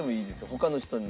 他の人に。